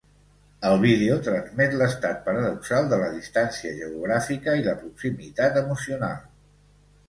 El vídeo transmet l'estat paradoxal de la distància geogràfica i la proximitat emocional.